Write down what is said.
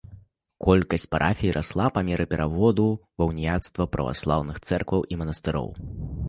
Колькасць парафій расла па меры пераводу ва ўніяцтва праваслаўных цэркваў і манастыроў.